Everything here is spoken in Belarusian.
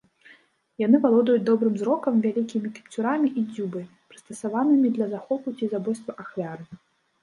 Яны валодаюць добрым зрокам, вялікімі кіпцюрамі і дзюбай, прыстасаванымі для захопу ці забойства ахвяры.